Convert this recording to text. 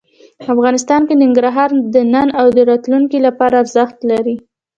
افغانستان کې ننګرهار د نن او راتلونکي لپاره ارزښت لري.